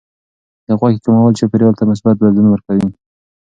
د غوښې کمول چاپیریال ته مثبت بدلون ورکوي.